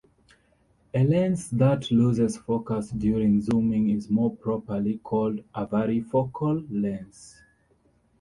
A lens that loses focus during zooming is more properly called a varifocal lens.